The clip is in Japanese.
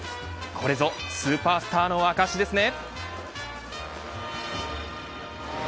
これぞスーパースターの証ですね。